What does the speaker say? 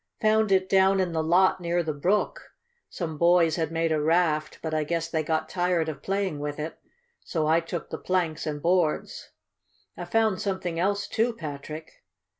"Found it down in the lot near the brook. Some boys had made a raft, but I guess they got tired of playing with it, so I took the planks and boards. I found something else, too, Patrick!"